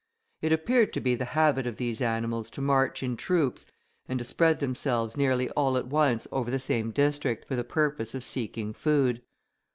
It appeared to be the habit of these animals to march in troops, and to spread themselves nearly all at once over the same district, for the purpose of seeking food.